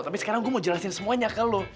tapi sekarang gua mau jelasin semuanya ke lu